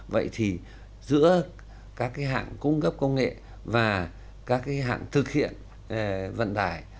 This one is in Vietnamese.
vậy thì giữa các cái hạng cung cấp công nghệ và các cái hạng thực hiện vận tải